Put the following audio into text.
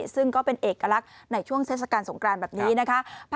ซึ่งก็เป็นเอกลักษณ์ในช่วงเทศกาลสงครานแบบนี้นะคะ